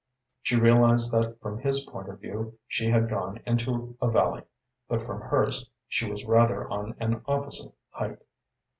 She realized that from his point of view she had gone into a valley, but from hers she was rather on an opposite height.